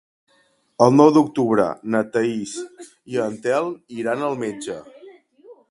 El nou d'octubre na Thaís i en Telm iran al metge.